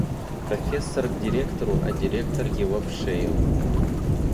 Профессор к директору, а директор его в шею.